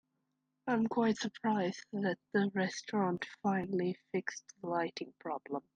I am quite surprised that the restaurant finally fixed the lighting problem.